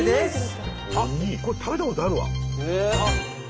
あっこれ食べたことあるわ。